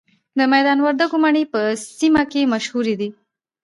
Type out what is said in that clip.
د میدان وردګو مڼې په سیمه کې مشهورې دي.